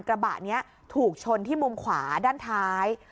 กระบะนี้ถูกชนที่มุมขวาด้านท้าย